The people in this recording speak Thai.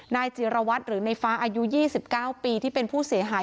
นายจิรวัตรหรือในฟ้าอายุ๒๙ปีที่เป็นผู้เสียหาย